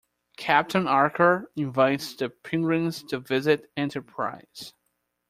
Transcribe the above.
Captain Archer invites the pilgrims to visit "Enterprise".